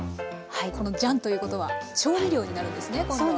このジャンということは調味料になるんですね今度は。